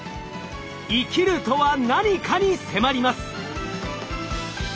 生きるとは何かに迫ります。